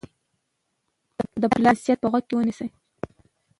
د پلار نصیحت په غوږ کې ونیسئ.